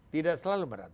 tidak selalu merata